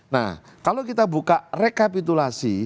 nah kalau kita buka rekapitulasi